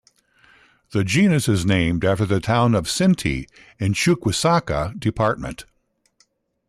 The genus is named after the town of Cinti in Chuquisaca Department.